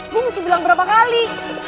gue mesti bilang berapa kali